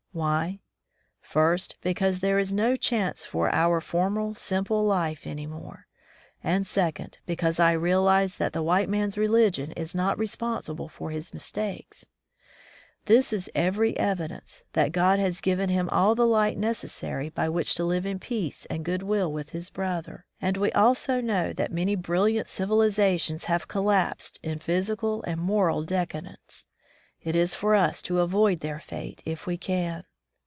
Why? First, because there is no chance for our former simple life any more; and second, because I realize that the white man's religion is not responsible for his mistakes. There is every evidence that God has given him all the light necessary by which to live in peace and good will with his brother; and we also know that many brilliant civilizations have collapsed in physi cal and moral decadence. It is for us to avoid their fate if we can.